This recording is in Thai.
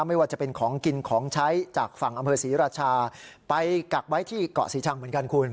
ไม่ว่าจะเป็นของกินของใช้จากฝั่งอำเภอศรีราชาไปกักไว้ที่เกาะศรีชังเหมือนกันคุณ